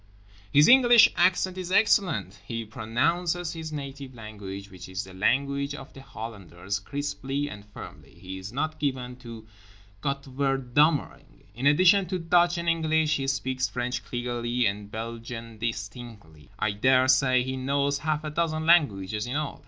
His English accent is excellent. He pronounces his native language, which is the language of the Hollanders, crisply and firmly. He is not given to Gottverdummering. In addition to Dutch and English he speaks French clearly and Belgian distinctly. I daresay he knows half a dozen languages in all.